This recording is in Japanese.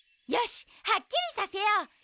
よしはっきりさせよう！